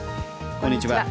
こんにちは。